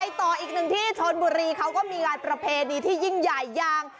ต่ออีกหนึ่งที่ชนบุรีเขาก็มีงานประเพณีที่ยิ่งใหญ่อย่าง